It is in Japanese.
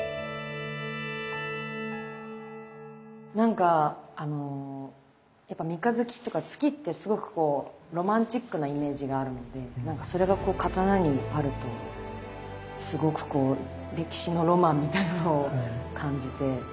なんかあのやっぱ三日月とか月ってすごくこうロマンチックなイメージがあるのでなんかそれがこう刀にあるとすごくこう歴史のロマンみたいなのを感じて。